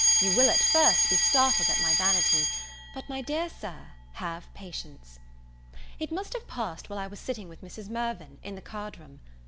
You will at first be startled at my vanity; but, my dear Sir, have patience! It must have passed while I was sitting with Mrs. Mirvan, in the card room.